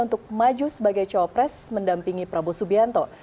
untuk maju sebagai cawapres mendampingi prabowo subianto